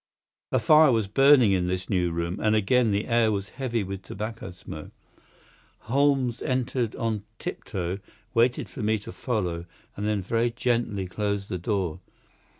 A fire was burning in this new room, and again the air was heavy with tobacco smoke. Holmes entered on tiptoe, waited for me to follow, and then very gently closed the door.